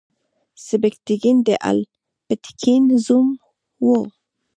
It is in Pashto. سبکتګین د الپتکین زوم و.